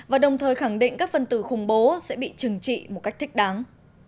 và đồng thời khẳng định các phân tử khủng bố sẽ bị trừng trị một cách thích đáng